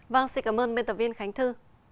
vâng xin cảm ơn biên tập viên khánh thư